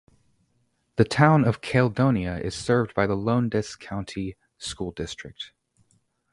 The Town of Caledonia is served by the Lowndes County School District.